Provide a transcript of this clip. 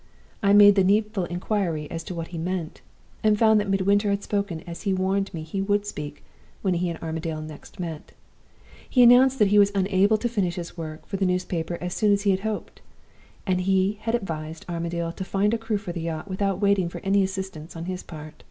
I made the needful inquiry as to what he meant, and found that Midwinter had spoken as he had warned me he would speak when he and Armadale next met. He had announced that he was unable to finish his work for the newspaper as soon as he had hoped; and he had advised Armadale to find a crew for the yacht without waiting for any assistance on his part.